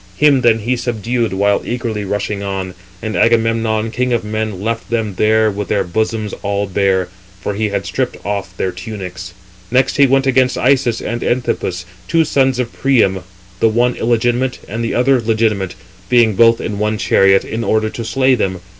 Him then he subdued while eagerly rushing on. And Agamemnon, king of men, left them there with their bosoms all bare, for he had stripped off their tunics. Next he went against Isus and Anthipus, two sons of Priam, [the one] illegitimate, and [the other] legitimate, being both in one chariot, in order to slay them.